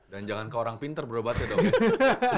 dan jangan ke orang pintar bro banget ya dong ya